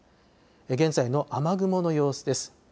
現在の雨雲の様子です。